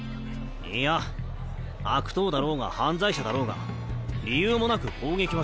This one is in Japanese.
いや悪党だろうが犯罪者だろうが理由もなく攻撃はしねえ。